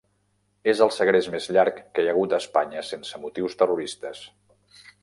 És el segrest més llarg que hi ha hagut a Espanya sense motius terroristes.